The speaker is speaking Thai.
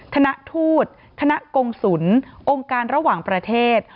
คณะทูตคณะกงศุลองค์การระหว่างประเทศ